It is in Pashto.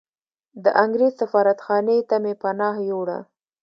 د انګریز سفارتخانې ته مې پناه یووړه.